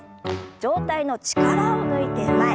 上体の力を抜いて前。